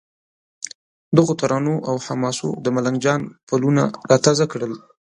دغو ترانو او حماسو د ملنګ جان پلونه را تازه کړل.